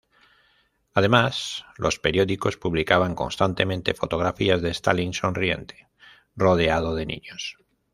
Además, los periódicos publicaban constantemente fotografías de Stalin sonriente, rodeado de niños.